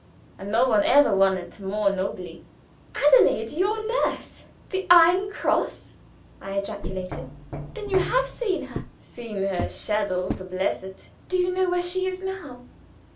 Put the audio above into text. And no one ever won it more nobly." "Adelaide your nurse the Iron Cross?" I ejaculated. "Then you have seen her?" "Seen her shadow to bless it." "Do you know where she is now?"